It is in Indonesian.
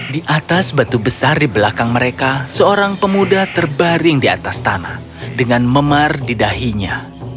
di atas batu besar di belakang mereka seorang pemuda terbaring di atas tanah dengan memar di dahinya